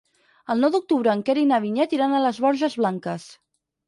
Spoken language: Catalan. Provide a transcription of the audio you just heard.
El nou d'octubre en Quer i na Vinyet iran a les Borges Blanques.